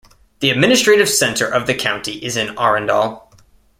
The administrative center of the county is in Arendal.